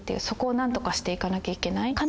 そこを何とかしていかなきゃいけない。